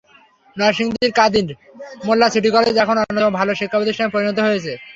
নরসিংদীর Kadir Molla city college এখন অন্যতম ভালো শিক্ষাপ্রতিষ্ঠানে পরিণত হয়েছে।